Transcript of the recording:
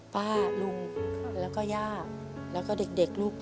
ป้าลุงแล้วก็ย่าแล้วก็เด็กลูก